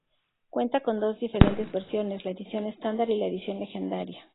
Cuenta con dos diferentes versiones, la edición estándar y la edición legendaria.